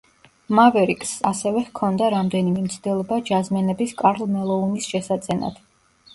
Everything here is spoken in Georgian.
მავერიკსს ასევე ჰქონდა რამდენიმე მცდელობა ჯაზმენების კარლ მელოუნის შესაძენად.